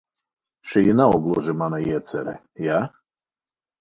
Šī nav gluži mana iecere, ja?